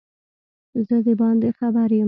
زه دباندي خبر یم